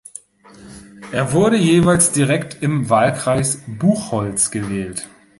Er wurde jeweils direkt im Wahlkreis Buchholz gewählt.